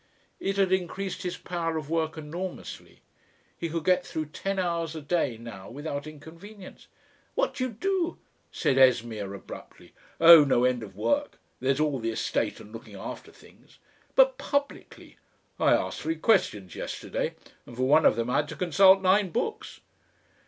It had increased his power of work enormously. He could get through ten hours a day now without inconvenience. "What do you do?" said Esmeer abruptly. "Oh! no end of work. There's all the estate and looking after things." "But publicly?" "I asked three questions yesterday. And for one of them I had to consult nine books!"